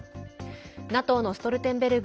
ＮＡＴＯのストルテンベルグ